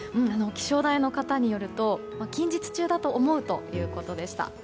気象台の方によると近日中だと思うということでした。